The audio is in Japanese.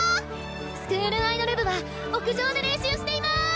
スクールアイドル部は屋上で練習しています！